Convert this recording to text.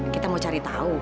kita mau cari tahu